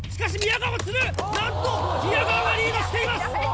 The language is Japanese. なんと宮川がリードしています！